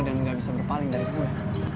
dan ga bisa berpaling dari gue